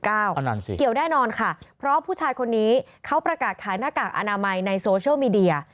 ก็นั่นสิเกี่ยวแน่นอนค่ะเพราะผู้ชายคนนี้เขาประกาศขายหน้ากากอนามัยในโซเชียลมีเดีย